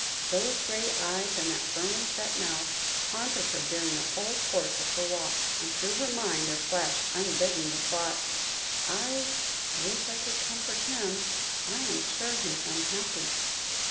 Those grey eyes and that firmly set mouth, haunted her during the whole course of her walk, and through her mind there flashed unbidden the thought "I wish I could comfort him. I am sure he is unhappy."